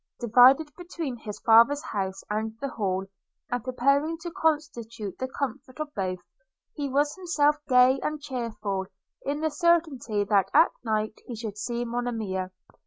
Divided between his father's house and the Hall, and appearing to constitute the comfort of both, he was himself gay and cheerful, in the certainty that at night he should see Monimia.